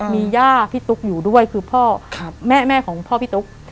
มีย่าพี่ตุ๊กอยู่ด้วยคือพ่อแม่ของพ่อพี่ตุ๊ก